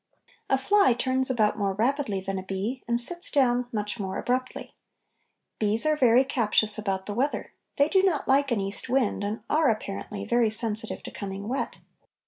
A fly turns about more rapidly than a bee, and sits down much more abruptly. Bees are very captious about the weather; they do not like an east wind and are, apparently, very sensitive to coming wet.